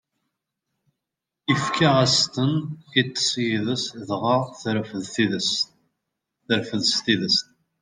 Ifka-as-ten, iṭṭeṣ yid-s, dɣa terfed s tadist.